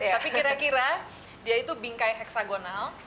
tapi kira kira dia itu bingkai heksagonal